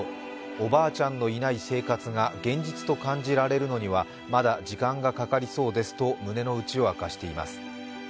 おばあちゃんのいない生活が現実と感じられるのにはまだ時間がかかりそうですと胸の内を明かしています。